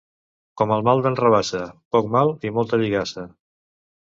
Com el mal d'en Rabassa, poc mal i molta lligassa.